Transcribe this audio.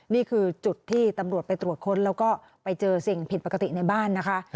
นี่คือจุดที่ตำรวจไปตรวจค้นแล้วก็ไปเจอสิ่งผิดปกติในบ้านนะคะ